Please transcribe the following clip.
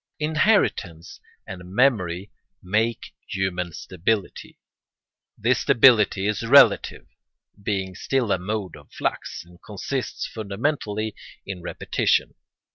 Inheritance and memory make human stability. This stability is relative, being still a mode of flux, and consists fundamentally in repetition.